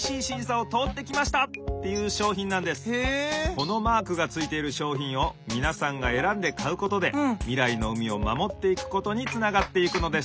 このマークがついているしょうひんをみなさんがえらんでかうことでみらいの海をまもっていくことにつながっていくのです。